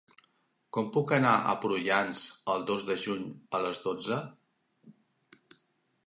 Com puc anar a Prullans el dos de juny a les dotze?